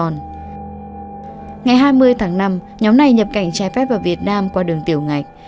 ngày hai mươi tháng năm nhóm này nhập cảnh trái phép vào việt nam qua đường tiểu ngạch